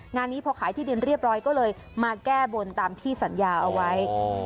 งานนี้พอขายที่ดินเรียบร้อยก็เลยมาแก้บนตามที่สัญญาเอาไว้